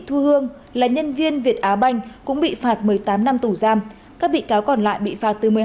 thu hương là nhân viên việt á banh cũng bị phạt một mươi tám năm tù giam các bị cáo còn lại bị phạt từ một mươi hai